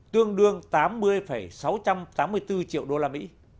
tương đương tám mươi sáu trăm tám mươi bốn triệu đô la mỹ